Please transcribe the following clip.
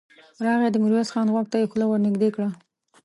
راغی، د ميرويس خان غوږ ته يې خوله ور نږدې کړه.